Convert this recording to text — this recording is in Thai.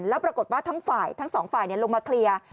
แล้วปรากฏว่าทั้งสองฝ่ายลงมาเคลียร์